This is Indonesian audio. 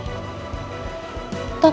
toh pembongkaran aku